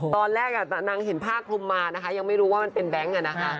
ตอนแรกนางเห็นภาคภูมิมายังไม่รู้ว่ามันเป็นแบงค์น่ะนะคะ